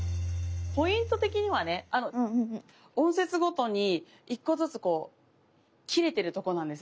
ポイント的にはね音節ごとに１個ずつこう切れてるとこなんですね。